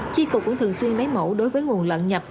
chi cục cũng thường xuyên lấy mẫu đối với nguồn lợn nhập